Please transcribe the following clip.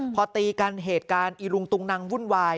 พอตีกันเหตุการณ์อีลุงตุงนังวุ่นวาย